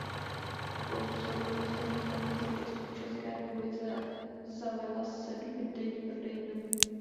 Po vzoru ostatních velkých řetězců v České republice zavedla sedmidenní prodejní dobu.